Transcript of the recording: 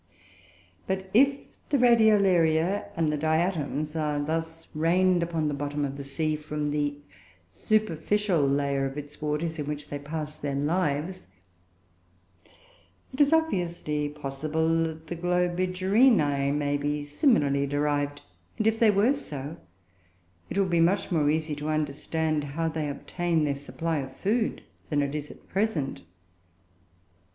But if the Radiolaria and Diatoms are thus rained upon the bottom of the sea, from the superficial layer of its waters in which they pass their lives, it is obviously possible that the Globigerinoe may be similarly derived; and if they were so, it would be much more easy to understand how they obtain their supply of food than it is at present.